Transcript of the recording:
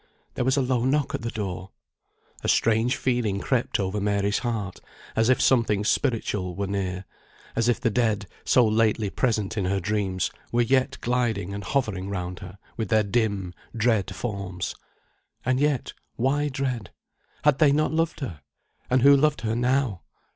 There was a low knock at the door! A strange feeling crept over Mary's heart, as if something spiritual were near; as if the dead, so lately present in her dreams, were yet gliding and hovering round her, with their dim, dread forms. And yet, why dread? Had they not loved her? and who loved her now?